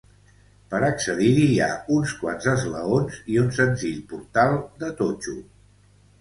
Per accedir-hi hi ha uns quants esglaons i un senzill portal de totxo.